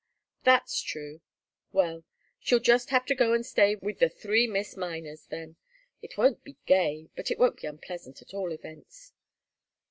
"That's true. Well she'll just have to go and stay with the three Miss Miners, then. It won't be gay, but it won't be unpleasant, at all events."